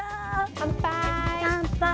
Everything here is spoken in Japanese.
乾杯！